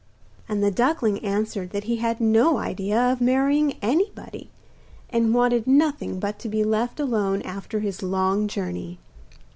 And the duckling answered that he had no idea of marrying anybody, and wanted nothing but to be left alone after his long journey.